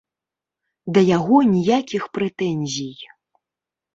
Да яго ніякіх прэтэнзій.